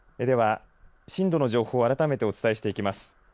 では、震度の情報を改めてお伝えしていきます。